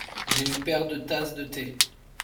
J'ai une paire de tasses de thé.